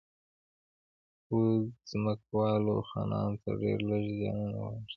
خو ځمکوالو خانانو ته ډېر لږ زیانونه واوښتل.